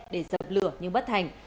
để dập lửa nhưng bất thành